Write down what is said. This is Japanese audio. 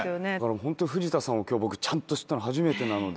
ホント藤田さんを今日僕ちゃんと知ったのは初めてなので。